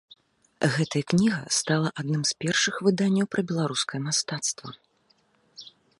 Гэтая кніга стала адным з першых выданняў пра беларускае мастацтва.